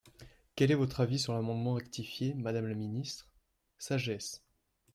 » Quel est votre avis sur l’amendement rectifié, madame la ministre ? Sagesse.